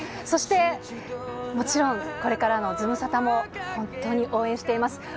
そしてもちろん、これからのズムサタも、本当に応援しています。